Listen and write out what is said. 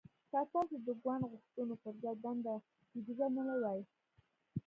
که تاسو د ګوند غوښتنو پر ځای دنده جدي ګڼلې وای